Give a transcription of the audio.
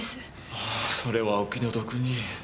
ああそれはお気の毒に。